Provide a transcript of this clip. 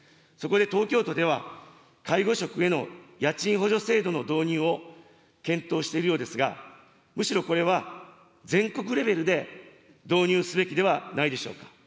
そこで東京都では、介護職への家賃補助制度の導入を検討しているようですが、むしろこれは全国レベルで導入すべきではないでしょうか。